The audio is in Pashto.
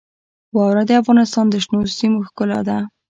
واوره د افغانستان د شنو سیمو ښکلا ده.